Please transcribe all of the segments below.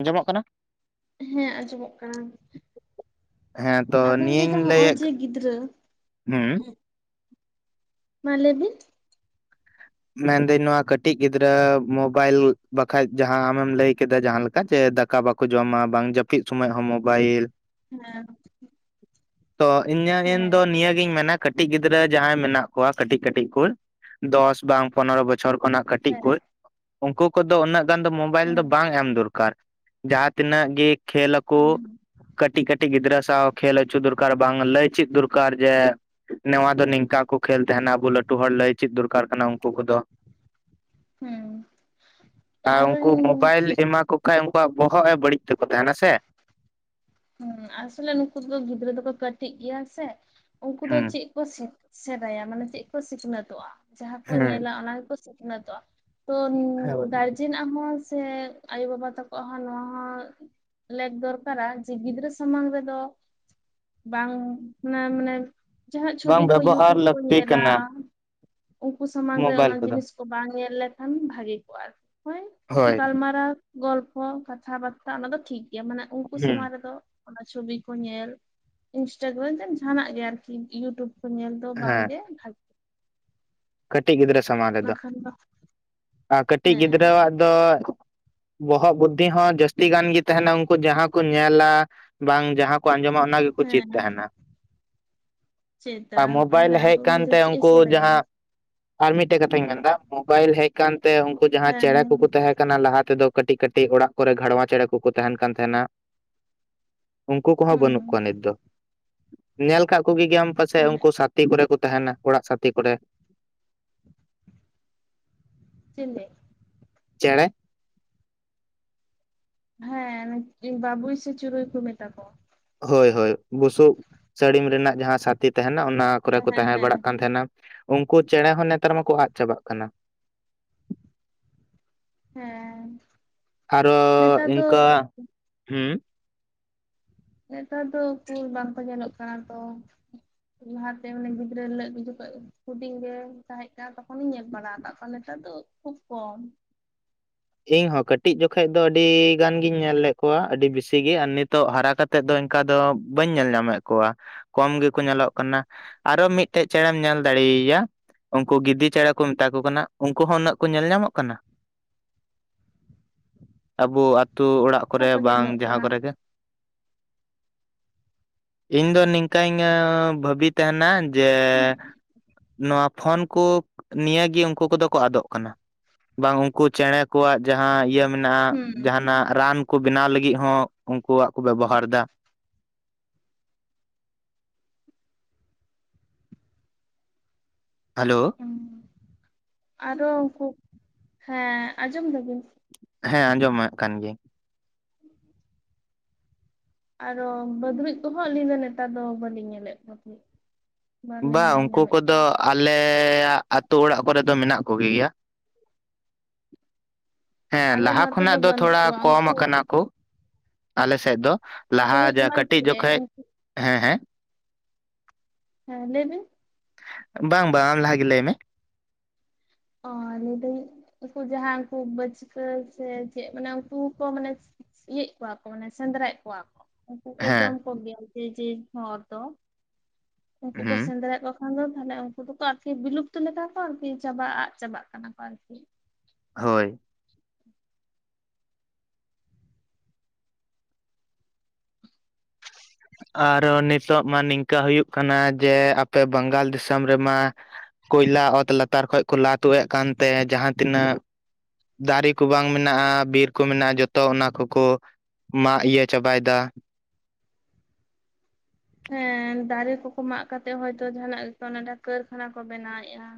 ᱟᱸᱡᱚᱢᱚᱜ ᱠᱟᱱᱟ? ᱦᱮᱸ ᱟᱸᱡᱚᱢᱚᱜ ᱠᱟᱱᱟ ᱦᱮᱸᱛᱚ ᱟᱫᱚᱧ ᱱᱤᱭᱟᱹᱧ ᱞᱟᱹᱭᱫᱟ ᱦᱚᱜᱼᱚᱭ ᱞᱟᱹᱭᱮᱫ ᱡᱮ ᱜᱤᱫᱽᱨᱟᱹ ᱦᱩᱸ ᱢᱟ ᱞᱮ ᱵᱤᱱ ᱢᱮᱱᱫᱟᱹᱧ ᱱᱚᱣᱟ ᱠᱟᱹᱴᱤᱡ ᱜᱤᱫᱽᱨᱟᱹ ᱢᱚᱵᱟᱭᱤᱞ ᱵᱟᱠᱷᱟᱡ ᱡᱟᱦᱟᱸ ᱟᱢᱮᱢ ᱞᱟᱹᱭ ᱠᱮᱫᱟ ᱡᱟᱦᱟᱸ ᱞᱮᱠᱟ ᱡᱮ ᱫᱟᱠᱟ ᱫᱟᱠᱟ ᱵᱟᱠᱚ ᱡᱚᱢᱟ ᱵᱟᱝ ᱡᱟᱹᱯᱤᱫ ᱥᱚᱢᱚᱭ ᱦᱚᱸ ᱢᱳᱵᱟᱭᱤᱞ ᱦᱮᱸ ᱛᱚ ᱤᱧᱟᱹᱜ [unintelligible] ᱦᱮᱸ ᱫᱚ ᱱᱤᱭᱟᱹ ᱤᱧ ᱢᱮᱱᱟ ᱠᱟᱴᱤᱡ ᱜᱤᱫᱽᱨᱟᱹ ᱡᱟᱦᱟᱸᱭ ᱢᱮᱱᱟᱜ ᱠᱚᱣᱟ ᱠᱟᱹᱴᱤᱡ ᱠᱟᱹᱴᱤᱡ ᱠᱚ ᱫᱚᱥ ᱵᱟᱝ ᱯᱚᱱᱮᱨᱚ ᱵᱚᱪᱷᱚᱨ ᱠᱷᱚᱱᱟᱜ ᱠᱟᱹᱴᱤᱡ ᱠᱩᱭ ᱩᱱᱠᱩ ᱠᱚᱫᱚ ᱩᱱᱟᱹᱜ ᱜᱟᱱ ᱫᱚ ᱢᱳᱵᱟᱭᱤᱞ ᱫᱚ ᱵᱟᱝ ᱮᱢ ᱫᱚᱨᱠᱟᱨ ᱡᱟᱦᱟᱸ ᱛᱤᱱᱟᱹᱜ ᱜᱮ ᱠᱷᱮᱞ ᱟᱠᱚ ᱠᱟᱹᱴᱤᱡ ᱠᱟᱹᱴᱤᱡ ᱠᱟᱹᱴᱤᱡ ᱜᱤᱫᱽᱨᱟᱹ ᱥᱟᱶ ᱠᱷᱮᱞ ᱦᱚᱪᱚ ᱫᱚᱨᱠᱟᱨ ᱵᱟᱝ ᱞᱟᱹᱭ ᱪᱮᱫ ᱫᱚᱨᱠᱟᱨ ᱡᱮ ᱱᱚᱣᱟ ᱫᱚ ᱱᱤᱝᱠᱟ ᱠᱚ ᱠᱷᱮᱹᱞ ᱛᱟᱦᱮᱱᱟ ᱟᱵᱚ ᱞᱟᱹᱴᱩ ᱦᱚᱲ ᱞᱟᱹᱭ ᱪᱮᱫ ᱫᱚᱨᱠᱟᱨ ᱠᱟᱱᱟ ᱩᱠᱩ ᱫᱚ ᱦᱩᱸ ᱟᱨ ᱩᱱᱠᱩ ᱟᱨᱚᱧ ᱢᱳᱵᱟᱭᱤᱞ ᱮᱢᱟ ᱠᱚ ᱵᱟᱠᱟᱡ ᱩᱱᱠᱩᱣᱟᱜ ᱵᱚᱦᱚᱜ ᱮ ᱵᱟᱹᱲᱤᱡ ᱛᱮᱠᱚ ᱛᱟᱦᱮᱱᱟ ᱥᱮ ᱦᱮᱸ ᱟᱥᱚᱞᱮ ᱱᱩᱠᱩ ᱫᱚ ᱜᱤᱫᱽᱨᱟᱹ ᱫᱚᱠᱚ ᱠᱟᱹᱴᱤᱡ ᱜᱮᱭᱟ ᱥᱮ ᱩᱱᱠᱩ ᱫᱚ ᱦᱩᱸ ᱪᱮᱫ [unintelligible] ᱥᱮᱬᱟᱭᱟ ᱢᱟᱱᱮ ᱪᱮᱫ ᱠᱚ ᱥᱤᱠᱷᱱᱟᱹᱛᱚᱜᱼᱟ ᱡᱟᱦᱟᱸ ᱠᱚ ᱧᱮᱞᱟ ᱦᱮᱸ ᱚᱱᱟ ᱜᱮᱠᱚ ᱥᱤᱠᱷᱱᱟᱹᱛᱚᱜᱼᱟ ᱛᱚ ᱜᱟᱨᱡᱮᱱ ᱟᱜ ᱦᱚᱸ ᱥᱮ ᱟᱭᱩ ᱵᱟᱵᱟ ᱛᱟᱠᱚ ᱦᱚᱸ ᱱᱚᱣᱟ ᱦᱚᱸ ᱞᱮᱠ ᱫᱚᱨᱠᱟᱨᱟ ᱜᱤᱫᱽᱨᱟᱹ ᱥᱟᱢᱟᱝ ᱨᱮᱫᱚ ᱵᱟᱝ ᱢᱮ ᱢᱟᱱᱮ ᱡᱟᱸᱦᱟ ᱵᱟᱝ ᱪᱷᱚᱵᱤ ᱠᱚ ᱵᱮᱵᱚᱦᱟᱨ ᱤᱭᱩᱴᱩᱵᱽ ᱠᱚ ᱞᱟᱹᱠᱛᱤ ᱧᱮᱞᱟ ᱠᱟᱱᱟ ᱩᱱᱠᱩ ᱥᱟᱢᱟᱝ ᱨᱮ ᱢᱳᱵᱟᱭᱤᱞ ᱚᱱᱟ ᱠᱚᱫᱚ ᱡᱤᱱᱤᱥ ᱠᱚ ᱵᱟᱝ ᱧᱮᱞ ᱞᱮᱠᱷᱟᱱ ᱵᱷᱟᱹᱜᱮ ᱠᱚᱜᱼᱟ ᱟᱨᱠᱤ ᱦᱳᱭ ᱦᱳᱭ ᱜᱟᱞᱢᱟᱨᱟᱣ ᱜᱚᱞᱯᱚ ᱠᱟᱛᱷᱟ ᱵᱟᱨᱛᱟ ᱚᱱᱟ ᱫᱚ ᱴᱷᱤᱠ ᱜᱮᱭᱟ ᱢᱟᱱᱮ ᱩᱱᱠᱩ ᱦᱩᱸ ᱥᱟᱢᱟᱝᱨᱮ ᱚᱱᱟ ᱪᱷᱚᱵᱤ ᱠᱚ ᱧᱮᱞ ᱤᱱᱥᱴᱟᱜᱨᱟᱢ ᱡᱟᱦᱟᱱᱟᱜ ᱜᱮ ᱟᱨᱠᱤ ᱤᱭᱩᱴᱩᱵᱽ ᱧᱮᱞ ᱫᱚ ᱦᱮᱸ ᱵᱟᱝᱜᱮ ᱵᱷᱟᱜ ᱠᱟᱹᱴᱤᱡ ᱜᱤᱫᱽᱨᱟᱹ ᱥᱟᱢᱟᱝ ᱨᱮᱫᱚ ᱵᱟᱠᱷᱟᱱ ᱫᱚ ᱟᱨ ᱠᱟᱹᱴᱤᱡ ᱦᱮᱸ ᱜᱤᱫᱽᱨᱟᱹᱣᱟᱜ ᱫᱚ ᱵᱚᱦᱚᱜ ᱵᱩᱫᱽᱫᱷᱤ ᱦᱚᱸ ᱡᱟᱹᱥᱛᱤ ᱜᱟᱱ ᱜᱮ ᱛᱟᱦᱮᱱᱟ ᱩᱱᱠᱩ ᱡᱟᱦᱟᱸ ᱠᱚ ᱧᱮᱞᱟ ᱵᱟᱝ ᱡᱟᱦᱟᱸ ᱠᱚ ᱟᱸᱡᱚᱢᱟ ᱚᱱᱟ ᱜᱮᱠᱚ ᱪᱮᱫ ᱦᱮᱸ ᱛᱟᱦᱮᱱᱟ ᱪᱮᱫᱟ ᱟᱨ ᱢᱳᱵᱟᱭᱤᱞ ᱛᱟᱦᱚᱞᱮ ᱦᱮᱡ ᱟᱫᱚ ᱩᱱᱤ ᱫᱚ ᱟᱠᱛᱮ ᱪᱮᱫ ᱮ ᱩᱱᱠᱩ ᱥᱮᱬᱟᱭᱟ ᱡᱟᱦᱟᱸ ᱟᱨ ᱢᱤᱫᱴᱮᱡ ᱠᱟᱛᱷᱟᱧ ᱢᱮᱱᱫᱟ ᱢᱳᱵᱟᱭᱤᱞ ᱦᱮᱡ ᱟᱠᱟᱱᱛᱮ ᱩᱱᱠᱩ ᱡᱟᱦᱟᱸᱭ ᱦᱮᱸ ᱪᱮᱬᱮ ᱠᱚᱠᱩ ᱛᱟᱦᱮᱸ ᱠᱟᱱᱟ ᱠᱟᱱᱟ ᱞᱟᱦᱟ ᱛᱮᱫᱚ ᱠᱟᱹᱴᱤᱡ ᱠᱟᱹᱴᱤᱡ ᱚᱲᱟᱜ ᱠᱚᱨᱮ ᱜᱷᱟᱲᱣᱟ ᱪᱮᱬᱮ ᱠᱚᱠᱚ ᱛᱟᱦᱮᱱ ᱠᱟᱱ ᱛᱟᱦᱮᱸᱱᱟ ᱩᱱᱠᱩ ᱠᱚᱦᱚᱸ ᱦᱩᱸ ᱵᱟᱹᱱᱩᱜ ᱠᱚᱣᱟ ᱱᱤᱛ ᱫᱚ ᱧᱮᱞ ᱠᱟᱜ ᱠᱚᱜᱮ ᱜᱮᱭᱟᱢ ᱯᱟᱪᱮᱡ ᱮᱦᱮᱸᱜ ᱩᱱᱠᱩ ᱥᱟ ᱜᱟᱛᱤ ᱠᱚᱨᱮ ᱠᱚ ᱛᱟᱦᱮᱱᱟ ᱚᱲᱟᱜ ᱥᱟᱛᱮ ᱠᱚᱨᱮ [inaudible] ᱪᱮᱱᱱᱮ ᱪᱮᱸᱬᱮ ᱦᱮᱸ ᱵᱟᱹᱵᱩᱭ ᱥᱮ ᱪᱩᱨᱩᱭ ᱠᱚ ᱢᱮᱛᱟ ᱠᱚᱣᱟ ᱦᱳᱭ ᱦᱳᱭ ᱵᱩᱥᱩᱵ ᱥᱟᱹᱲᱤᱢ ᱨᱮᱱᱟᱜ ᱡᱟᱦᱟᱸ ᱥᱟᱛᱤ ᱛᱟᱦᱮᱱᱟ ᱚᱱᱟ ᱠᱚᱨᱮ ᱦᱮᱸ ᱠᱚ ᱦᱮᱸ ᱛᱟᱦᱮᱸ ᱵᱟᱲᱟᱜ ᱠᱟᱱ ᱦᱮᱸ ᱛᱟᱦᱮᱱᱟ ᱩᱱᱠᱩ ᱪᱮᱸᱬᱮ ᱦᱚᱸ ᱱᱮᱛᱟᱨ ᱢᱟᱠᱚ ᱟᱫ ᱪᱟᱵᱟᱜ ᱠᱟᱱᱟ ᱦᱮᱸ ᱟᱨᱚ ᱱᱮᱛᱟᱨ ᱫᱚ ᱤᱱᱠᱟ ᱦᱮᱸ ᱱᱮᱛᱟᱨ ᱫᱚ ᱩᱠᱩᱨ ᱵᱟᱝᱠᱚ ᱧᱮᱞᱚᱜ ᱠᱟᱱᱟ ᱛᱚ ᱞᱟᱦᱟᱛᱮ ᱢᱟᱱᱮ ᱜᱤᱫᱽᱨᱟᱹ ᱞᱟᱹᱜ ᱡᱚᱠᱷᱚᱡ ᱦᱩᱰᱤᱧ ᱨᱮ ᱛᱟᱦᱮᱸ ᱠᱟᱱᱟ ᱛᱚᱠᱷᱚᱱᱤᱧ ᱧᱮᱞ ᱵᱟᱲᱟ ᱟᱠᱟᱫ ᱠᱚᱣᱟ ᱱᱮᱛᱟᱨ ᱫᱚ ᱠᱷᱩᱵ ᱠᱚᱢ ᱤᱧᱦᱚᱸ ᱠᱟᱹᱴᱤᱡ ᱡᱚᱠᱷᱮᱡ ᱫᱚ ᱟᱹᱰᱤ ᱜᱟᱱ ᱜᱤᱧ ᱧᱮᱞ ᱞᱮᱫ ᱠᱚᱣᱟ ᱟᱹᱰᱤ ᱵᱤᱥᱤ ᱜᱮ ᱟᱨ ᱱᱤᱛᱚᱜ ᱦᱟᱨᱟ ᱠᱟᱛᱮ ᱛᱮᱫ ᱫᱚ ᱚᱱᱠᱟ ᱫᱚ ᱵᱟᱹᱧ ᱧᱮᱞ ᱧᱟᱢᱮᱫ ᱠᱚᱣᱟ ᱠᱚᱢ ᱜᱮᱠᱚ ᱧᱮᱞᱚᱜ ᱠᱟᱱᱟ ᱟᱨᱚ ᱢᱤᱫᱴᱮᱡ ᱪᱮᱬᱮᱢ ᱧᱮᱞ ᱫᱟᱲᱮᱭᱟᱭᱟ ᱩᱱᱠᱩ ᱜᱤᱫᱤ ᱪᱮᱬᱮ ᱠᱚ ᱢᱮᱛᱟ ᱠᱚ ᱠᱟᱱᱟ ᱩᱱᱠᱩ ᱦᱚᱸ ᱩᱱᱟᱹᱜ ᱠᱚ ᱧᱮᱞ ᱧᱟᱢᱚᱜ ᱠᱟᱱᱟ? ᱟᱵᱚ ᱟᱹᱛᱩ ᱚᱲᱟᱜ ᱠᱚᱨᱮ ᱵᱟᱠᱚ ᱵᱟᱝ ᱧᱮᱞᱚᱜ ᱡᱟᱦᱟᱸ ᱠᱟᱱᱟ ᱠᱚᱨᱮᱜᱮ ᱤᱧ ᱫᱚ ᱱᱤᱝᱠᱟᱹᱧ ᱵᱷᱟᱵᱤ ᱛᱟᱦᱮᱱᱟ ᱡᱮ ᱦᱩᱸ ᱱᱚᱣᱟ ᱯᱷᱳᱱ ᱠᱚ ᱱᱤᱭᱟᱹ ᱜᱮ ᱩᱱᱠᱩ ᱠᱚᱫᱚ ᱠᱚ ᱟᱫᱚᱜ ᱠᱟᱱᱟ ᱵᱟᱝ ᱩᱱᱠᱩ ᱪᱮᱸᱬᱮ ᱠᱚᱣᱟᱜ ᱡᱟᱦᱟᱸ ᱤᱭᱟᱹ ᱢᱮᱱᱟᱜᱼᱟ ᱡᱟᱦᱟᱱᱟᱜ ᱨᱟᱱ ᱠᱩ ᱵᱮᱱᱟᱣ ᱞᱟᱹᱜᱤᱫ ᱦᱚᱸ ᱩᱱᱠᱩᱣᱟᱜ ᱠᱚ ᱵᱮᱵᱚᱦᱟᱨ ᱮᱫᱟ᱾ ᱦᱮᱞᱳ᱾ ᱟᱨᱚ ᱩᱱᱠᱩ ᱦᱮᱸ ᱟᱸᱡᱚᱢ ᱫᱟᱵᱤᱱ ᱥᱮ ᱦᱮᱸ ᱟᱸᱡᱚᱢᱟᱜ ᱠᱟᱱ ᱜᱤᱭᱟᱹᱧ᱾ ᱟᱨᱚ ᱵᱟᱹᱫᱽᱲᱩᱡ ᱠᱚᱦᱚᱸ ᱟᱹᱞᱤᱧ ᱫᱚ ᱱᱮᱛᱟᱨ ᱫᱚ ᱵᱟᱹᱞᱤᱧ ᱧᱮᱞᱮᱫ ᱠᱚ ᱜᱮ᱾ ᱵᱟ ᱩᱱᱠᱩ ᱠᱚᱫᱚ ᱟᱞᱮᱻᱭᱟᱜ ᱟᱹᱛᱩ ᱚᱲᱟᱜ ᱠᱚᱨᱮ ᱫᱚ ᱢᱮᱱᱟᱜ ᱠᱚᱜᱮᱭᱟ᱾ ᱦᱮᱸ ᱟᱞᱮ ᱞᱟᱦᱟ ᱱᱚᱛᱮ ᱠᱷᱚᱱᱟᱜ ᱫᱚ ᱵᱟᱹᱱᱩᱜ ᱛᱷᱚᱲᱟ ᱠᱚᱣᱟ ᱠᱚᱢ ᱩᱱᱠᱩ ᱟᱠᱟᱱᱟ ᱠᱚ ᱟᱞᱮ ᱥᱮᱫ ᱫᱚ᱾ ᱟᱫᱚ ᱞᱟᱦᱟ ᱦᱩᱭᱩᱜ ᱡᱟ ᱠᱟᱱᱟ ᱠᱟᱹᱴᱤᱡ ᱪᱮᱫ ᱡᱚᱠᱷᱮᱡ ᱩᱱᱠᱩ ᱦᱮᱸ ᱦᱮᱸ ᱦᱮᱸ ᱞᱟᱹᱭ ᱵᱤᱱ ᱵᱟᱝ ᱵᱟᱝ ᱟᱢ ᱞᱟᱦᱟ ᱜᱮ ᱞᱟᱹᱭ ᱢᱮ [unintelligible] ᱩᱱᱠᱩ ᱡᱟᱦᱟᱸ ᱩᱱᱠᱩ ᱵᱟᱹᱪᱠᱟᱹ ᱥᱮ ᱪᱮᱫ ᱢᱟᱱᱮ ᱩᱱᱠᱩ ᱠᱚ ᱢᱟᱱᱮ ᱤᱭᱟᱹᱮᱫ ᱠᱚᱣᱟ ᱠᱚ ᱢᱟᱱᱮ ᱥᱮᱸᱫᱽᱨᱟᱭᱮᱫ ᱠᱚᱣᱟ ᱠᱚ ᱩᱱᱠᱩ ᱠᱚ ᱦᱮᱸ ᱡᱚᱢ ᱠᱚᱜᱮᱭᱟ ᱡᱮ ᱡᱮ ᱦᱚᱲ ᱫᱚ ᱩᱱᱠᱩ ᱠᱚ ᱦᱩᱸ ᱥᱮᱸᱫᱽᱨᱭᱮᱫ ᱠᱚ ᱟᱫᱚ ᱛᱟᱦᱚᱞᱮ ᱩᱱᱠᱩ ᱫᱚᱠᱚ ᱟᱨᱠᱤ ᱵᱤᱞᱩᱯᱛᱤ ᱞᱮᱠᱟ ᱠᱚ ᱟᱨᱠᱤ ᱪᱟᱵᱟᱜ ᱟᱫ ᱪᱟᱵᱟᱜ ᱠᱟᱱᱟ ᱠᱚ ᱟᱨᱠᱤ ᱦᱳᱭ ᱟᱨᱚ ᱱᱤᱛᱚᱜ ᱢᱟ ᱱᱤᱝᱠᱟᱹ ᱦᱩᱭᱩᱜ ᱠᱟᱱᱟ ᱡᱮ ᱟᱯᱮ ᱵᱟᱝᱜᱟᱞ ᱫᱤᱥᱚᱢ ᱨᱮᱢᱟ ᱠᱚᱭᱞᱟ ᱚᱛ ᱞᱟᱛᱟᱨ ᱠᱷᱚᱡ ᱠᱚ ᱞᱟ ᱛᱩᱜ ᱮᱫ ᱠᱟᱱᱛᱮ ᱡᱟᱦᱟᱸ ᱛᱤᱱᱟᱹᱜ ᱫᱟᱨᱮ ᱠᱚ ᱵᱟᱝ ᱢᱮᱱᱟᱜᱼᱟ ᱵᱤᱨ ᱠᱚ ᱢᱮᱱᱟᱜᱼᱟ ᱡᱚᱛᱚ ᱚᱱᱟ ᱠᱚᱠᱚ ᱢᱟᱜᱽ ᱤᱭᱟᱹ ᱪᱟᱵᱟᱭᱮᱫᱟ᱾ ᱦᱮᱸ ᱫᱟᱨᱮ ᱠᱚᱠᱚ ᱢᱟᱜᱽ ᱠᱟᱛᱮᱜ ᱦᱚᱭᱛᱚ ᱡᱟᱦᱟᱱᱟᱜ ᱠᱚ ᱚᱰᱟ ᱠᱟᱹᱨᱠᱷᱟᱱᱟ ᱠᱚ ᱵᱮᱱᱟᱣᱮᱫᱼᱟ᱾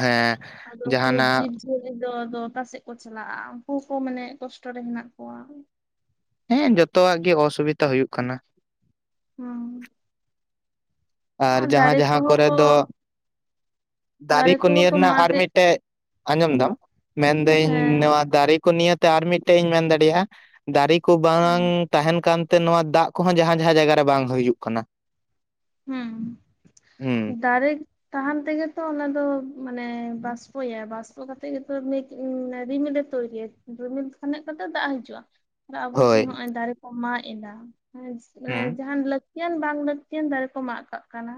ᱦᱮᱸ ᱟᱫᱚ ᱩᱱᱠᱩ ᱡᱟᱦᱟᱱᱟᱜ ᱡᱤᱵ ᱡᱤᱭᱟᱞᱤ ᱫᱚ ᱟᱫᱚ ᱚᱠᱟ ᱥᱮᱫ ᱠᱚ ᱪᱟᱞᱟᱜᱼᱟ ᱩᱱᱠᱩ ᱠᱚ ᱢᱟᱱᱮ ᱠᱚᱥᱴᱚ ᱨᱮ ᱦᱮᱱᱟᱜ ᱠᱚᱣᱟ ᱦᱮᱸ ᱡᱚᱛᱚᱣᱟᱜ ᱜᱮ ᱚᱥᱩᱵᱤᱫᱟ ᱦᱩᱭᱩᱜ ᱠᱟᱱᱟ ᱦᱩᱸ ᱟᱨ ᱡᱟᱦᱟᱸ ᱫᱟᱨᱮ ᱡᱟᱦᱟᱸ ᱠᱚᱦᱚᱸ ᱠᱚᱨᱮ ᱠᱚ ᱫᱚ ᱫᱟᱨᱮ ᱠᱚ ᱱᱤᱭᱟ ᱨᱮᱱᱟᱜ ᱟᱨ ᱢᱤᱫᱴᱮᱡ ᱟᱸᱡᱚᱢ ᱫᱟᱢ ᱢᱮᱱᱫᱟᱹᱧ ᱦᱮᱸ ᱱᱚᱣᱟ ᱫᱟᱨᱮ ᱠᱚ ᱱᱤᱭᱟᱛᱮ ᱟᱨ ᱢᱤᱫᱴᱮᱡ ᱤᱧ ᱢᱮᱱ ᱫᱟᱲᱮᱭᱟᱜᱼᱟ ᱫᱟᱨᱮ ᱠᱚ ᱦᱮᱸ ᱵᱟᱝ ᱛᱟᱦᱮᱱ ᱠᱟᱱᱛᱮ ᱱᱚᱣᱟ ᱫᱟᱜ ᱠᱚᱦᱚᱸ ᱡᱟᱦᱟᱸ ᱡᱟᱦᱟᱸ ᱡᱟᱭᱜᱟ ᱨᱮ ᱵᱟᱝ ᱦᱩᱭᱩᱜ ᱠᱟᱱᱟ ᱦᱩᱸ ᱦᱩᱸ ᱫᱟᱨᱮ ᱛᱟᱦᱟᱱ ᱛᱮᱜᱮᱛᱚ ᱚᱱᱟ ᱫᱚ ᱢᱟᱱᱮ ᱵᱟᱥᱯᱚᱭᱟ ᱵᱟᱥᱯᱚ ᱠᱟᱛᱮᱜ ᱜᱮᱛᱚ ᱱᱤᱠ ᱨᱤᱢᱤᱞᱮ ᱛᱚᱭᱨᱤᱭᱟ ᱨᱤᱢᱤᱞ ᱠᱷᱚᱱᱟᱜ ᱜᱮᱛᱚ ᱫᱟᱜ ᱦᱤᱡᱩᱜᱼᱟ ᱟᱵᱚ ᱡᱮ ᱦᱳᱭ ᱦᱚᱜ ᱚᱭ ᱫᱟᱨᱮ ᱠᱚ ᱢᱟᱜ ᱮᱫᱟ ᱦᱩᱸ ᱡᱟᱦᱟᱱ ᱞᱟᱹᱠᱛᱤᱭᱟᱱ ᱵᱟᱝ ᱞᱟᱹᱠᱛᱤᱭᱟᱱ ᱫᱟᱨᱮ ᱠᱚ ᱢᱟᱜ ᱠᱟᱜ ᱠᱟᱱᱟ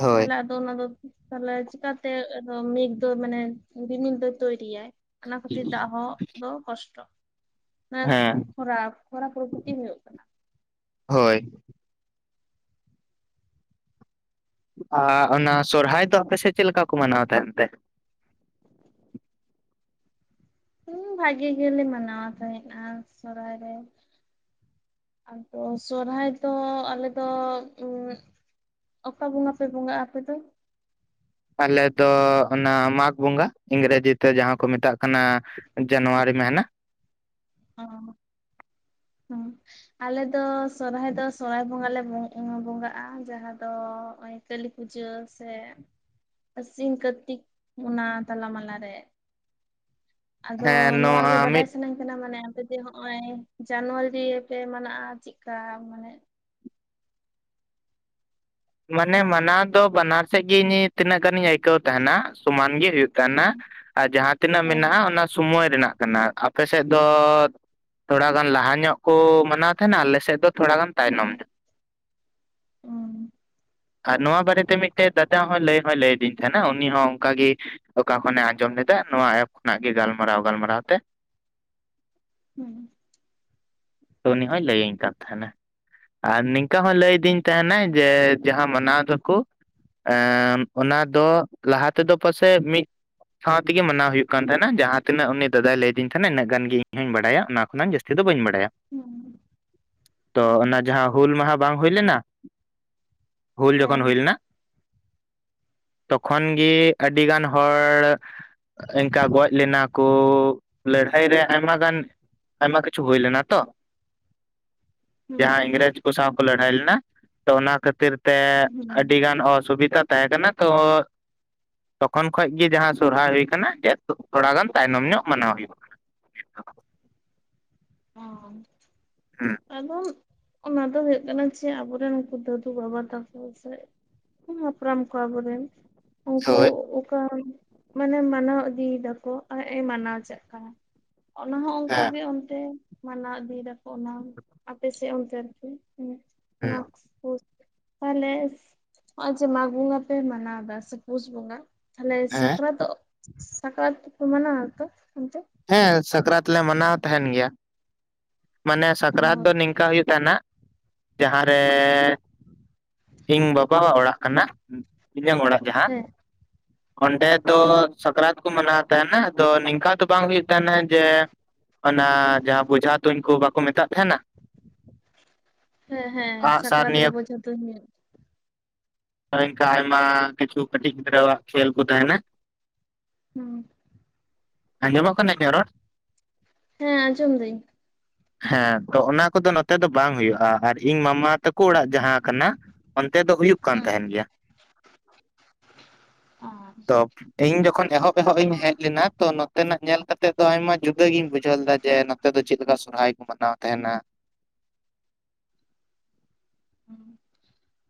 ᱦᱳᱭ ᱛᱟᱦᱚᱞᱮ ᱚᱱᱟ ᱫᱚ ᱛᱟᱦᱚᱞᱮ ᱪᱤᱠᱟᱛᱮ ᱢᱮᱜ ᱫᱚ ᱢᱟᱱᱮ ᱨᱤᱢᱤᱞ ᱫᱚᱭ ᱛᱚᱭᱨᱤᱭᱟᱭ ᱚᱱᱟ ᱠᱷᱟᱹᱛᱤᱨ ᱫᱟᱜ ᱦᱚ ᱟᱫᱚ ᱠᱚᱥᱴᱚ ᱚᱱᱟ ᱦᱮᱸ ᱠᱷᱚᱨᱟ ᱠᱷᱚᱨᱟ ᱯᱨᱚᱠᱨᱛᱤ ᱦᱩᱭᱩᱜ ᱠᱟᱱᱟ ᱦᱳᱭ ᱟᱨ ᱚᱱᱟ ᱥᱚᱨᱦᱟᱭ ᱫᱚ ᱟᱯᱮᱥᱮᱫ ᱪᱮᱫ ᱞᱮᱠᱟ ᱠᱚ ᱢᱟᱱᱟᱣ ᱛᱟᱦᱮᱱ ᱛᱮ ᱦᱮᱸ ᱵᱷᱟᱜᱤ ᱜᱮᱞᱮ ᱢᱟᱱᱟᱣ ᱛᱟᱦᱮᱸᱱᱟ ᱥᱚᱨᱦᱟᱭ ᱨᱮ ᱟᱫᱚ ᱥᱚᱨᱦᱟᱭ ᱫᱚ ᱟᱞᱮᱫᱚ ᱚᱠᱟ ᱵᱚᱸᱜᱟ ᱯᱮ ᱵᱚᱸᱜᱟᱼᱟ ᱟᱯᱮ ᱫᱚ ᱟᱞᱮᱫᱚ ᱚᱱᱟ ᱢᱟᱜᱽ ᱵᱚᱸᱜᱟ ᱤᱝᱨᱮᱡᱤ ᱛᱮ ᱡᱟᱦᱟᱸ ᱠᱚ ᱢᱮᱛᱟᱜ ᱠᱟᱱᱟ ᱠᱟᱱᱟ ᱡᱟᱱᱩᱣᱟᱨᱤ ᱢᱤᱦᱱᱟ ᱚ ᱦᱮᱸ ᱟᱞᱮᱫᱚ ᱥᱚᱨᱦᱟᱭ ᱫᱚ ᱥᱚᱨᱦᱟᱭ ᱵᱚᱸᱜᱟᱞᱮ ᱵᱚᱸᱜᱟᱜᱼᱟ ᱡᱟᱦᱟᱸ ᱫᱚ ᱠᱟᱹᱞᱤ ᱯᱩᱡᱟᱹ ᱥᱮ ᱟᱹᱥᱤᱱ ᱠᱟᱨᱛᱤᱠ ᱚᱱᱟ ᱛᱟᱞᱟᱢᱟᱞᱟ ᱨᱮ ᱟᱫᱚ ᱦᱮᱸ ᱱᱚᱣᱟ ᱜᱮ ᱢᱤᱫ ᱵᱟᱰᱟᱭ ᱥᱟᱱᱟᱧ ᱠᱟᱱᱟ ᱠᱟᱱᱟ ᱢᱟᱱᱮ ᱟᱯᱮ ᱡᱮ ᱱᱚᱜ ᱚᱭ ᱡᱟᱱᱩᱣᱟᱨᱤ ᱯᱮ ᱢᱟᱱᱟᱜ ᱪᱮᱫᱠᱟ ᱢᱟᱱᱮ ᱢᱟᱱᱮ ᱢᱟᱱᱟᱣ ᱫᱚ ᱵᱟᱱᱟᱨ ᱥᱮᱫ ᱜᱮ ᱤᱧ ᱛᱤᱱᱟᱹᱜ ᱜᱟᱱᱤᱧ ᱟᱹᱭᱠᱟᱹᱣ ᱛᱟᱦᱮᱱᱟ ᱥᱚᱢᱟᱱ ᱜᱮ ᱦᱩᱭᱩᱜ ᱠᱟᱱᱟ ᱦᱳᱭ ᱟᱨ ᱡᱟᱦᱟᱸ ᱛᱤᱱᱟᱹᱜ ᱦᱮᱸ ᱢᱮᱱᱟᱜᱼᱟ ᱚᱱᱟ ᱥᱚᱢᱚᱭ ᱨᱮᱱᱟᱜ ᱠᱟᱱᱟ ᱟᱯᱮᱥᱮᱫ ᱫᱚ ᱛᱷᱚᱲᱟ ᱜᱟᱱ ᱞᱟᱦᱟ ᱧᱚᱜ ᱠᱚ ᱢᱟᱱᱟᱣ ᱛᱟᱦᱮᱱᱟ ᱟᱞᱮᱥᱮᱫ ᱫᱚ ᱛᱷᱚᱲᱟ ᱜᱟᱱ ᱦᱩᱸ ᱛᱟᱭᱱᱚᱢ ᱧᱚᱜ ᱦᱩᱸ ᱟᱨ ᱱᱚᱣᱟ ᱵᱟᱨᱮᱛᱮ ᱢᱤᱫᱴᱮᱡ ᱫᱟᱫᱟ ᱦᱚᱸ ᱞᱟᱹᱭ ᱦᱚᱸᱭ ᱞᱟᱹᱭ ᱟᱹᱫᱤᱧ ᱛᱟᱦᱮᱱᱟ ᱩᱱᱤ ᱦᱚᱸ ᱚᱱᱠᱟᱜ ᱜᱮ ᱚᱠᱟ ᱠᱷᱚᱱᱮ ᱟᱸᱡᱚᱢ ᱞᱮᱫᱟ ᱱᱚᱣᱟ ᱮᱯ ᱠᱷᱚᱱᱟᱜ ᱜᱮ ᱜᱟᱞᱢᱟᱨᱟᱣ ᱜᱟᱞᱢᱟᱨᱟᱣ ᱛᱮ ᱦᱩᱸ [unintelligible] ᱛᱚ ᱩᱱᱤ ᱦᱚᱸᱭ ᱞᱟᱹᱭᱟᱹᱧ ᱠᱟᱱ ᱛᱟᱦᱮᱱᱟ ᱟᱨ ᱱᱤᱝᱠᱟ ᱦᱚᱸ ᱞᱟᱹᱭᱫᱤᱧ ᱛᱟᱦᱮᱱᱟᱭ ᱡᱮ ᱡᱟᱦᱟᱸ ᱢᱟᱱᱟᱣ ᱫᱟᱠᱚ ᱚᱱᱟ ᱫᱚ ᱞᱟᱦᱟ ᱛᱮᱫᱚ ᱯᱟᱥᱮᱡ ᱢᱤᱫ ᱥᱟᱶᱛᱮ ᱜᱮ ᱢᱟᱱᱟᱣ ᱦᱩᱭᱩᱜ ᱠᱟᱱ ᱛᱟᱦᱮᱱᱟ ᱡᱟᱦᱟᱸ ᱛᱤᱱᱟᱹᱜ ᱩᱱᱤ ᱫᱟᱫᱟᱭ ᱞᱟᱹᱭ ᱟᱹᱧ ᱛᱟᱦᱮᱱᱟ ᱤᱱᱟᱹᱜ ᱜᱟᱱ ᱜᱮ ᱤᱧ ᱦᱚᱸᱧ ᱵᱟᱲᱟᱭᱟ ᱚᱱᱟ ᱠᱷᱚᱱᱟᱜ ᱡᱟᱹᱥᱛᱤ ᱫᱚ ᱵᱟᱹᱧ ᱵᱟᱲᱟᱭᱟ ᱦᱩᱸ ᱛᱚ ᱦᱮᱸ ᱚᱱᱟ ᱡᱟᱦᱟᱸ ᱦᱩᱞ ᱢᱟᱦᱟ ᱵᱟᱝ ᱦᱩᱭ ᱞᱮᱱᱟ ᱵᱷᱩᱞ ᱡᱚᱠᱷᱚᱱ ᱦᱮᱸ ᱦᱩᱭ ᱞᱮᱱᱟ ᱛᱚᱠᱷᱚᱱ ᱜᱮ ᱟᱹᱰᱤ ᱜᱟᱱ ᱦᱚᱲ ᱤᱱᱠᱟ ᱜᱚᱡ ᱞᱮᱱᱟ ᱠᱚ ᱞᱟᱹᱲᱦᱟᱹᱭ ᱨᱮ ᱟᱭᱢᱟ ᱜᱟᱱ ᱟᱭᱢᱟ ᱠᱤᱪᱷᱩ ᱦᱩᱭ ᱞᱮᱱᱟ ᱛᱚ ᱦᱩᱸ ᱡᱟᱦᱟᱸ ᱤᱝᱨᱮᱡᱽ ᱠᱚ ᱥᱟᱶ ᱠᱚ ᱞᱟᱹᱲᱦᱟᱹᱭ ᱞᱮᱱᱟ ᱛᱚ ᱚᱱᱟ ᱠᱷᱟᱹᱛᱤᱨ ᱛᱮ ᱦᱩᱸ ᱟᱹᱰᱤ ᱜᱟᱱ ᱚᱥᱩᱵᱤᱫᱷᱟ ᱛᱟᱦᱮᱸ ᱠᱟᱱᱟ ᱛᱚ ᱛᱚᱠᱷᱚᱱ ᱠᱷᱚᱱᱚᱡ ᱜᱮ ᱡᱟᱦᱟᱸ ᱥᱚᱨᱦᱟᱭ ᱦᱩᱭ ᱠᱟᱱᱟ ᱡᱮ ᱛᱷᱚᱲᱟ ᱜᱟᱱ ᱛᱟᱭᱱᱚᱢ ᱧᱚᱜ ᱢᱟᱱᱟᱣ ᱦᱩᱭᱩᱜ ᱠᱟᱱᱟ ᱚ ᱦᱩᱸ ᱟᱫᱚ ᱚᱱᱟ ᱫᱚ ᱦᱩᱭᱩᱜ ᱠᱟᱱᱟ ᱪᱮ ᱟᱵᱚᱨᱮᱱ ᱩᱱᱠᱩ ᱫᱟᱹᱫᱩ ᱵᱟᱵᱟ ᱛᱟᱠᱚ ᱥᱮ ᱦᱟᱯᱲᱟᱢ ᱠᱚ ᱟᱵᱚᱨᱮᱱ ᱩᱱᱠᱩ ᱦᱳᱭ ᱚᱠᱟ ᱢᱟᱱᱮ ᱢᱟᱱᱟᱣ ᱤᱫᱤᱭ ᱫᱟᱠᱚ ᱟᱨ ᱮ ᱢᱟᱱᱟᱣ ᱪᱟᱜ ᱠᱟᱱᱟ, ᱚᱱᱟ ᱦᱚᱸ ᱩᱱᱠᱩᱜ ᱦᱮᱸ ᱜᱮ ᱚᱱᱛᱮ ᱢᱟᱱᱟᱣ ᱤᱫᱤᱭ ᱫᱟᱠᱚ, ᱚᱱᱟ ᱟᱯᱮ ᱥᱮᱫ ᱚᱱᱛᱮ ᱟᱨᱠᱤ ᱦᱮᱸ᱾ ᱦᱮᱸ ᱢᱟᱠᱥ ᱠᱩ᱾ ᱛᱟᱦᱚᱞᱮ ᱱᱚᱜ ᱡᱮ ᱢᱟᱜᱽ ᱵᱚᱸᱜᱟ ᱯᱮ ᱢᱟᱱᱟᱣ ᱫᱟ, ᱥᱮ ᱯᱩᱥ ᱵᱚᱸᱜᱟ᱾ ᱛᱟᱦᱚᱞᱮ ᱦᱮᱸ ᱥᱟᱠᱨᱟᱛᱚᱜ, ᱥᱟᱠᱨᱟᱛ ᱠᱚ ᱢᱟᱱᱟ ᱛᱚ ᱚᱱᱛᱮ? ᱦᱮᱸ ᱥᱟᱠᱨᱟᱛ ᱞᱮ ᱢᱟᱱᱟᱣ ᱛᱟᱦᱮᱱ ᱜᱮᱭᱟ᱾ ᱢᱟᱱᱮ ᱚ ᱥᱟᱠᱨᱟᱛ ᱫᱚ ᱱᱤᱝᱠᱟ ᱦᱩᱭᱩᱜ ᱛᱟᱦᱮᱱᱟ, ᱡᱟᱦᱟᱸ ᱨᱮ ᱤᱧ ᱵᱟᱵᱟᱣᱟᱜ ᱚᱲᱟᱜ ᱠᱟᱱᱟ ᱤᱧᱟᱹᱜ ᱚᱲᱟᱜ᱾ ᱡᱟᱦᱟᱸ ᱦᱮᱸ ᱚᱸᱰᱮ ᱫᱚ ᱥᱟᱠᱨᱟᱛ ᱠᱚ ᱢᱟᱱᱟᱣ ᱛᱟᱦᱮᱱᱟ, ᱟᱫᱚ ᱱᱤᱝᱠᱟ ᱫᱚ ᱵᱟᱝ ᱦᱩᱭᱩᱜ ᱛᱟᱦᱮᱱᱟ ᱡᱮ ᱚᱱᱟ ᱡᱟᱦᱟᱸ ᱵᱤᱡᱷᱟ ᱛᱩᱧᱠᱚ ᱵᱟᱠᱚ ᱢᱮᱛᱟᱜ ᱛᱟᱦᱮᱱᱟ? ᱦᱮᱸ ᱦᱮᱸ ᱟᱸᱜᱼᱥᱟᱨ ᱥᱟᱠᱨᱟᱛ ᱨᱮ ᱱᱤᱭᱟᱹ ᱵᱤᱡᱷᱟ ᱛᱩᱧ ᱦᱩᱭᱩᱜ, ᱦᱳᱭ ᱚᱝᱠᱟ ᱟᱭᱢᱟ ᱠᱤᱪᱷᱩ ᱠᱟᱴᱤᱡ ᱜᱤᱫᱽᱨᱟᱹᱣᱟᱜ ᱠᱷᱮᱞ ᱠᱚ ᱛᱟᱦᱮᱱᱟ, ᱦᱩᱸ ᱟᱸᱡᱚᱢᱚ ᱤᱧᱟᱸᱜ ᱨᱚᱲ? ᱦᱮᱸ ᱟᱸᱡᱚᱢ ᱫᱟᱹᱧ᱾ ᱦᱮᱸ ᱛᱚ ᱚᱱᱟ ᱠᱚᱫᱚ ᱱᱚᱛᱮ ᱫᱚ ᱵᱟᱝ ᱦᱩᱭᱩᱜᱼᱟ᱾ ᱟᱨ ᱤᱧ ᱢᱟᱢᱟ ᱛᱟᱠᱚ ᱚᱲᱟᱜ ᱡᱟᱦᱟᱸ ᱠᱟᱱᱟ ᱚᱱᱛᱮ ᱫᱚ ᱦᱩᱭᱩᱜ ᱠᱟᱱ ᱦᱩᱸ ᱛᱟᱦᱮᱱ ᱜᱮᱭᱟ, ᱟᱪᱪᱷᱟ ᱛᱚ ᱤᱧ ᱡᱚᱠᱷᱚᱱ ᱮᱦᱚᱵ ᱮᱦᱚᱵ ᱤᱧ ᱦᱮᱡ ᱞᱮᱱᱟ ᱛᱚ ᱱᱚᱛᱮᱱᱟᱜ ᱧᱮᱞ ᱠᱟᱛᱮᱜ ᱫᱚ ᱟᱭᱢᱟ ᱡᱩᱫᱟᱹ ᱜᱤᱧ ᱵᱩᱡᱷᱟᱹᱣ ᱞᱮᱫᱟ ᱡᱮ ᱱᱚᱛᱮ ᱫᱚ ᱪᱮᱫ ᱞᱮᱠᱟ ᱥᱚᱨᱦᱟᱭ ᱠᱚ ᱢᱟᱱᱟᱣ ᱛᱟᱦᱮᱱᱟ᱾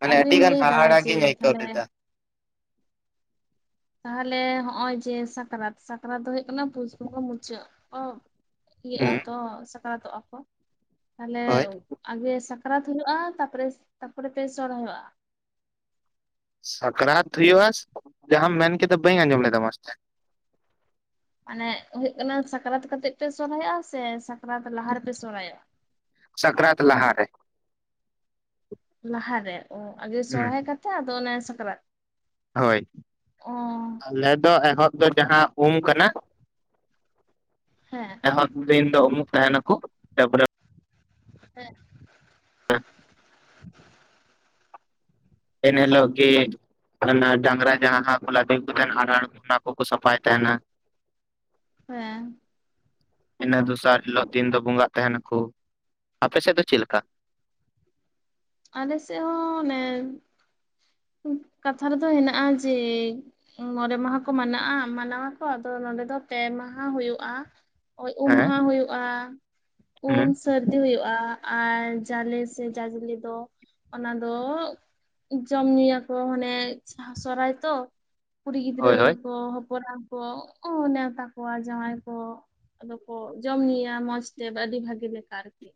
ᱢᱟᱱᱮ ᱟᱹᱰᱤ ᱟᱫᱚᱤᱧ ᱜᱟᱱ ᱞᱟᱹᱭᱫᱟ ᱦᱟᱦᱟᱲᱟ ᱡᱮ ᱜᱤᱧ ᱟᱹᱭᱠᱟᱹᱣ ᱛᱟᱦᱚᱞᱮ ᱞᱮᱫᱟ ᱛᱟᱦᱚᱞᱮ ᱦᱚᱜ ᱚᱭ ᱡᱮ ᱥᱟᱠᱨᱟᱛ ᱥᱟᱠᱨᱟᱛ ᱫᱚ ᱦᱩᱭᱩᱜ ᱠᱟᱱᱟ ᱯᱩᱥ ᱵᱚᱸᱜᱟ ᱢᱩᱪᱟᱹᱫ ᱠᱚ ᱤᱭᱟᱹᱜ ᱦᱩᱸ ᱟᱛᱚ ᱥᱟᱠᱨᱟᱛᱚᱜᱼᱟ ᱠᱚ, ᱛᱟᱦᱞᱮ ᱦᱳᱭ ᱟᱜᱮ ᱥᱟᱠᱨᱟᱛ ᱦᱩᱭᱩᱜᱼᱟ ᱛᱟᱯᱚᱨᱮ ᱛᱟᱯᱚᱨᱮ ᱯᱮ ᱥᱚᱨᱦᱟᱭᱚᱜᱼᱟ᱾ ᱥᱟᱠᱨᱟᱛ ᱦᱩᱭᱩᱜᱼᱟ ᱡᱟᱦᱟᱸᱟᱢ ᱢᱮᱱ ᱠᱮᱫᱟ ᱵᱟᱹᱧ ᱟᱸᱡᱚᱢ ᱞᱮᱫᱟ ᱢᱚᱸᱥᱛᱮ᱾ ᱢᱟᱱᱮ ᱦᱳᱭᱳᱜ ᱠᱟᱱᱟ ᱥᱟᱠᱨᱟᱛ ᱠᱟᱛᱮᱜ ᱯᱮ ᱥᱚᱨᱦᱟᱭᱚᱜᱼᱟ? ᱥᱮ ᱥᱟᱠᱨᱟᱛ ᱞᱟᱦᱟᱨ ᱨᱮᱯᱮ ᱥᱚᱨᱦᱟᱭᱚᱜᱼᱟ? ᱥᱟᱠᱨᱟᱛ ᱞᱦᱟᱨᱮ᱾ ᱞᱟᱦᱟᱨᱮ ᱚ, ᱟᱜᱮ ᱦᱩᱸ ᱥᱚᱨᱚᱦᱟᱭ ᱠᱟᱛᱮᱜ ᱟᱫᱚ ᱚᱱᱮ ᱥᱟᱠᱨᱟᱛ? ᱦᱳᱭ ᱚ ᱟᱞᱮ ᱫᱚ ᱮᱦᱚᱵ ᱫᱚ ᱡᱟᱦᱟᱸ ᱩᱢ ᱠᱟᱱᱟ, ᱦᱮᱸ᱾ ᱮᱦᱚᱵ ᱫᱤᱱ ᱫᱚ ᱩᱢᱚᱜ ᱛᱟᱦᱮᱱᱟ ᱠᱩ, ᱛᱟᱯᱚᱨᱮ ᱦᱮᱸ᱾ ᱮᱱ ᱦᱮᱞᱚᱜ ᱜᱤ ᱰᱟᱺᱝᱨᱟ ᱡᱟᱦᱟᱸ ᱠᱚ ᱞᱟᱫᱮ ᱠᱚ ᱛᱟᱦᱮᱱᱟ ᱦᱟᱲ ᱚᱱᱟ ᱠᱚᱠᱚ ᱥᱟᱯᱷᱟᱭ ᱛᱟᱦᱮᱱᱟ᱾ ᱦᱮᱸ᱾ ᱤᱱᱟᱹ ᱫᱚᱥᱟᱨ ᱦᱤᱞᱳᱜ ᱫᱤᱱ ᱫᱚ ᱵᱚᱸᱜᱟᱜ ᱛᱟᱦᱮᱱᱟᱠᱚ, ᱟᱯᱮ ᱥᱮᱫ ᱫᱚ ᱪᱮᱫ ᱞᱮᱠᱟ? ᱟᱞᱮ ᱥᱮᱫ ᱦᱚᱸ ᱚᱱᱮ ᱠᱟᱛᱷᱟ ᱨᱮᱫᱚ ᱦᱮᱱᱟᱜᱼᱟ, ᱡᱮ ᱢᱚᱬᱮ ᱢᱟᱦᱟ ᱠᱚ ᱢᱟᱱᱟᱜᱼᱟ ᱢᱟᱱᱟᱣᱟᱠᱚ ᱟᱫᱚ ᱱᱚᱰᱮ ᱫᱚ ᱯᱮ ᱢᱟᱦᱟ ᱦᱩᱭᱩᱜᱼᱟ᱾ ᱩᱢ ᱦᱮᱸ ᱢᱟᱦᱟ ᱦᱩᱭᱩᱜ ᱟ, ᱩᱢ ᱦᱩᱸ ᱥᱟᱨᱫᱤ ᱦᱳᱭᱜᱼᱟ ᱟᱨ ᱡᱟᱞᱮ ᱥᱮ ᱡᱟᱡᱞᱮ ᱛᱚ ᱚᱱᱟ ᱫᱚ ᱡᱚᱢ ᱧᱩᱭᱟᱠᱚ ᱦᱟᱱᱮ ᱥᱚᱨᱦᱟᱭ ᱛᱚ, ᱠᱩᱲᱤ ᱜᱤᱫᱽᱨᱟᱹ ᱦᱳᱭ ᱦᱳᱭ ᱠᱚ ᱦᱚᱯᱚᱱ ᱮᱨᱟ ᱠᱚ ᱱᱮᱣᱛᱟ ᱠᱚᱣᱟ ᱡᱟᱶᱟᱭ ᱠᱚ᱾ ᱟᱫᱚ ᱠᱚ ᱡᱚᱢ ᱧᱩᱭᱟ ᱢᱚᱸᱡᱽᱛᱮ ᱟᱹᱰᱤ ᱵᱷᱟᱜᱮ ᱞᱮᱠᱟ ᱟᱨᱠᱤ᱾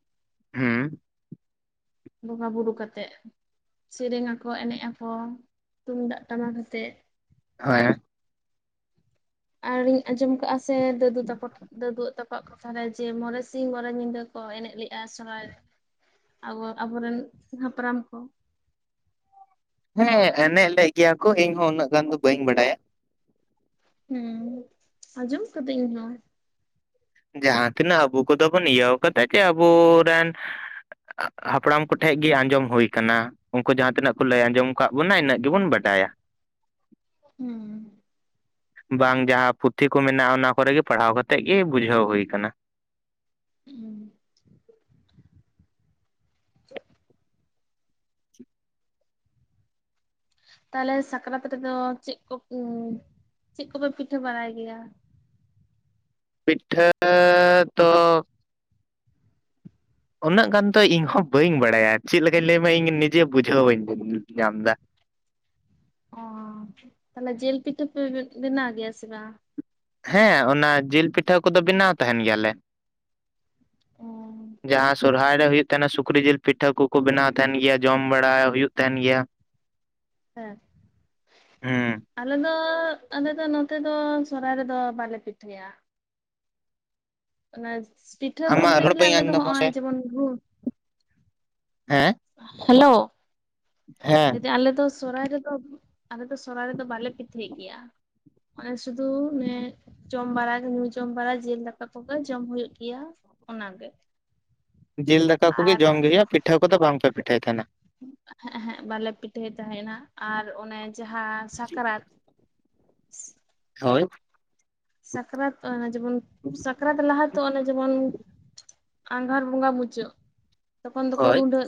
ᱦᱩᱸᱻ ᱵᱚᱸᱜᱟ ᱵᱩᱨᱩ ᱠᱟᱛᱮᱜ ᱥᱮᱨᱮᱧ ᱟᱠᱚ ᱮᱱᱮᱡ ᱟᱠᱚ ᱛᱩᱢᱫᱟᱜ ᱴᱟᱢᱟᱠ ᱟᱛᱮᱜ᱾ ᱦᱳᱭ᱾ ᱟᱨ ᱤᱧ ᱟᱸᱡᱚᱢ ᱠᱟᱜᱼᱟ ᱥᱮ ᱫᱟᱹᱫᱩ ᱛᱟᱠᱚ ᱫᱟᱹᱫᱩ ᱛᱟ ᱠᱩᱣᱟᱜ ᱠᱟᱛᱷᱟᱨᱮ ᱡᱮ ᱢᱚᱬᱮ ᱥᱤᱧ ᱢᱚᱬᱮ ᱧᱤᱫᱟᱹ ᱠᱚ ᱮᱱᱮᱡ ᱞᱮᱜᱼᱟ ᱥᱚᱨᱚᱦᱟᱭ ᱨᱮ᱾ ᱟᱵᱚ ᱟᱵᱚᱨᱮᱱ ᱦᱟᱯᱲᱟᱢ ᱠᱚ᱾ ᱦᱮᱸ ᱮᱱᱮᱡ ᱞᱮᱫ ᱜᱮᱭᱟ ᱠᱚ ᱤᱧ ᱦᱚᱸ ᱩᱱᱟᱹᱜ ᱜᱟᱱ ᱫᱚ ᱵᱟᱹᱧ ᱵᱟᱰᱟᱭᱟ ᱦᱮᱸ ᱟᱸᱡᱚᱢ ᱠᱟᱫ ᱤᱧ ᱦᱚᱸ ᱡᱟᱹᱦᱟ ᱛᱤᱱᱟᱹᱜ ᱟᱵᱚ ᱠᱚᱫᱚ ᱵᱚᱱ ᱤᱭᱟᱹ ᱠᱟᱫᱟ ᱡᱮ ᱟᱵᱚ ᱨᱮᱱ ᱦᱟᱯᱲᱟᱢ ᱠᱚᱴᱷᱮᱱ ᱜᱮ ᱟᱸᱡᱚᱢ ᱦᱳᱭ ᱟᱠᱟᱱᱟ ᱩᱱᱠᱩ ᱡᱟᱸᱦᱟ ᱛᱤᱱᱟᱹᱜ ᱞᱟᱹᱭ ᱟᱸᱡᱚᱢ ᱟᱠᱟᱫ ᱵᱚᱱᱟ ᱤᱱᱟᱹᱜ ᱜᱮᱵᱚᱱ ᱵᱟᱰᱟᱭᱟ [unintelligible] ᱵᱟᱝ ᱡᱟᱸᱦᱟ ᱯᱩᱛᱷᱤ ᱠᱚ ᱢᱮᱱᱟᱜᱼᱟ ᱚᱱᱟ ᱠᱚᱨᱮᱜᱮ ᱯᱟᱲᱦᱟᱣ ᱠᱟᱛᱮᱫ ᱜᱮ ᱵᱩᱡᱷᱟᱹᱣ ᱦᱩᱭ ᱠᱟᱱᱟ [unintelligible] ᱛᱟᱦᱞᱮ ᱥᱟᱠᱨᱟᱛ ᱨᱮᱫᱚ ᱪᱮᱫ [unintelligible] ᱪᱮᱫ ᱠᱚᱯᱮ ᱯᱤᱴᱷᱟᱹ ᱵᱟᱲᱟᱭ ᱜᱮᱭᱟ᱾ ᱯᱤᱴᱷᱟᱹ ᱫᱚ᱾ ᱩᱱᱟᱹᱜ ᱜᱟᱱ ᱛᱚ ᱤᱧ ᱦᱚᱸ ᱵᱟᱹᱧ ᱵᱟᱲᱟᱭᱟ ᱪᱮᱫ ᱞᱮᱠᱟᱧ ᱞᱟᱹᱭ ᱟᱢ ᱤᱧ ᱱᱤᱡᱮ ᱵᱩᱡᱷᱟᱹᱣ ᱵᱟᱹᱧ ᱧᱟᱢ ᱮᱫᱟ ᱚ ᱛᱟᱦᱞᱮ ᱡᱮᱞ ᱯᱤᱴᱷᱟᱹ ᱵᱮᱱᱟᱣ ᱜᱮᱭᱟ ᱥᱮ ᱵᱟᱝ ᱦᱮᱸ ᱚᱱᱟ ᱡᱤᱞ ᱯᱤᱴᱷᱟᱹ ᱠᱚᱫᱚ ᱵᱮᱱᱟᱣ ᱛᱟᱦᱮᱱ ᱜᱮᱭᱟ ᱞᱮ ᱡᱟᱸᱦᱟ ᱥᱚᱨᱦᱟᱭ ᱨᱮ ᱦᱩᱭᱩᱜ [unintelligible] ᱥᱩᱠᱨᱤ ᱡᱤᱞ ᱯᱤᱴᱷᱟᱹ ᱠᱚᱠᱚ ᱵᱮᱱᱟᱣ ᱛᱟᱦᱮᱱ ᱜᱮᱭᱟ ᱡᱚᱢ ᱵᱟᱲᱟ ᱦᱩᱭᱩᱜ ᱛᱟᱦᱮᱱ ᱜᱮᱭᱟ ᱦᱮᱸ ᱦᱩᱸ ᱟᱞᱮ ᱫᱚ ᱟᱞᱮ ᱫᱚ ᱱᱚᱛᱮ ᱫᱚ ᱥᱚᱨᱦᱟᱭ ᱨᱮᱫᱚ ᱵᱟᱞᱮ ᱯᱤᱴᱷᱟᱹᱭ-ᱟ ᱚᱱᱟ ᱯᱤᱴᱷᱟᱹ ᱟᱢᱟᱜ ᱵᱚᱞᱛᱮ ᱨᱚᱲ ᱜᱮᱞᱮ ᱵᱟᱹᱧ ᱟᱞᱮ ᱟᱸᱡᱚᱢ ᱫᱚ ᱫᱟ ᱢᱟᱥᱮ ᱦᱚᱜᱼᱚᱭ ᱡᱮᱢᱚᱱ [unintelligible] ᱦᱮᱸ ᱦᱮᱞᱳ [unintelligible] ᱦᱮᱸ ᱟᱯᱮ ᱫᱚ ᱥᱚᱨᱦᱟᱭ ᱨᱮᱫᱚ ᱟᱞᱮ ᱫᱚ ᱥᱚᱨᱦᱟᱭ ᱨᱮᱫᱚ ᱵᱟᱞᱮ [unintelligible] ᱜᱮᱭᱟ ᱚᱱᱮ ᱥᱩᱫᱩ ᱡᱚᱢ ᱵᱟᱲᱟ ᱧᱩ ᱡᱚᱢ ᱵᱟᱲᱟ ᱡᱤᱞ ᱫᱟᱠᱟ ᱠᱚᱜᱮ ᱡᱚᱢ ᱦᱩᱭᱩᱜ ᱜᱮᱭᱟ ᱚᱱᱟᱜᱮ ᱡᱤᱞ ᱫᱟᱠᱟ ᱠᱚᱜᱮ ᱟᱨ ᱡᱚᱢ [unintelligible] ᱯᱤᱴᱷᱟᱹ ᱠᱚᱫᱚ ᱵᱟᱝ ᱯᱮ ᱯᱤᱴᱷᱟᱹᱭ ᱛᱟᱦᱮᱱᱟ [unintelligible] ᱵᱟᱞᱮ ᱯᱤᱴᱷᱟᱹᱭ ᱛᱟᱦᱮᱱᱟ ᱟᱨ ᱚᱱᱮ ᱡᱟᱸᱦᱟ ᱥᱟᱠᱨᱟᱛ ᱦᱳᱭ ᱥᱟᱠᱨᱟᱛ ᱡᱮᱢᱚᱱ ᱥᱟᱠᱨᱟᱛ ᱞᱟᱦᱟ ᱫᱚ ᱚᱱᱮ ᱡᱮᱢᱚᱱ ᱟᱜᱷᱟᱲ ᱵᱚᱸᱜᱟ ᱢᱩᱪᱟᱹᱫ ᱛᱚᱠᱷᱚᱱ ᱫᱚᱠᱚ ᱦᱳᱭ ᱨᱩᱸᱰᱟᱹᱜ